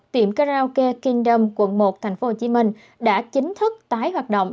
tiệm karaoke kingdom quận một tp hcm đã chính thức tái hoạt động